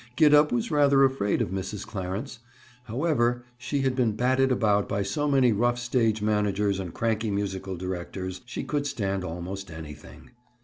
Gid up was rather afraid of Mrs. Clarence; however, she had been batted about by so many rough stage managers and cranky musical directors, she could stand almost anything.